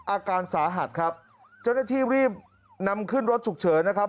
อาการสาหัสครับเจ้าหน้าที่รีบนำขึ้นรถฉุกเฉินนะครับ